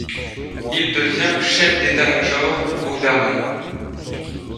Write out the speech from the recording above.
Il devient chef d'état-major au d'armée.